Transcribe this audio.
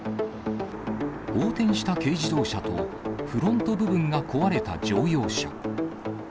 横転した軽自動車とフロント部分が壊れた乗用車。